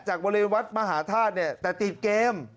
บริเวณวัดมหาธาตุเนี่ยแต่ติดเกม